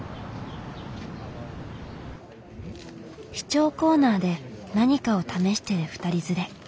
試聴コーナーで何かを試してる２人連れ。